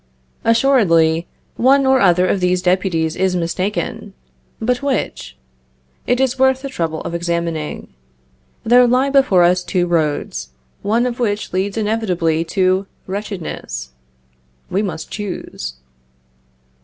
Assuredly one or other of these deputies is mistaken. But which? It is worth the trouble of examining. There lie before us two roads, one of which leads inevitably to wretchedness. We must choose.